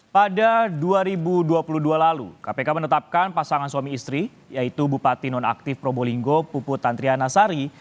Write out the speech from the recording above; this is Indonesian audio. pada dua ribu dua puluh dua lalu kpk menetapkan pasangan suami istri yaitu bupati nonaktif probolinggo pupu tantriana sari